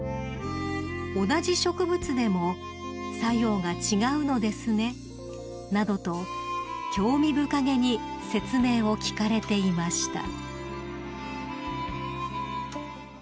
「同じ植物でも作用が違うのですね」などと興味深げに説明を聞かれていました］